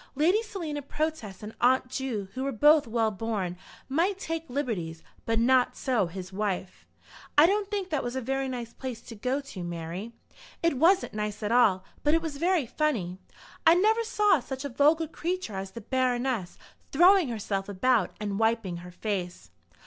Lady Selina Protest and Aunt Ju, who were both well born, might take liberties; but not so his wife. "I don't think that was a very nice place to go to, Mary." "It wasn't nice at all, but it was very funny. I never saw such a vulgar creature as the Baroness, throwing herself about and wiping her face."